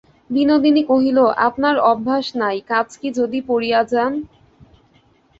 বিনোদিনী কহিল, আপনার অভ্যাস নাই, কাজ কী যদি পড়িয়া যান।